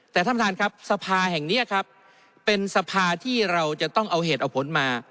แต่ท่านประธานครับสภาแห่งนี้ครับเป็นสภาที่เราจะต้องเอาเหตุเอาผลมา